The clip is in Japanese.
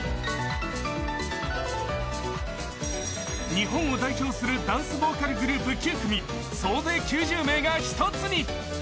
日本を代表するダンスボーカルグループが総勢９０名が一つに。